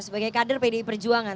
sebagai kader pdi perjuangan